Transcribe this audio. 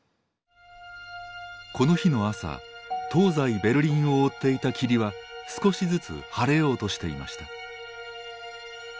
この日の朝東西ベルリンを覆っていた霧は少しずつ晴れようとしていました。